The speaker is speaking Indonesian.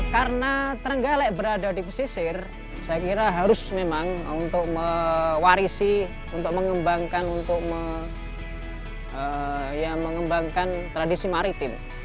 karena terenggalek berada di pesisir saya kira harus memang untuk mewarisi untuk mengembangkan tradisi maritim